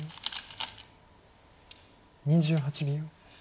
２８秒。